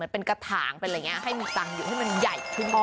เป็นกระถางเป็นอะไรอย่างนี้ให้มีตังค์อยู่ให้มันใหญ่ขึ้นบ้าง